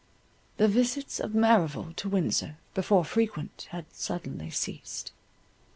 The visits of Merrival to Windsor, before frequent, had suddenly ceased.